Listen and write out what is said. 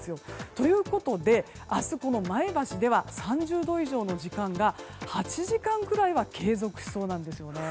ということで、明日前橋では３０度以上の時間が８時間くらいは継続しそうなんですね。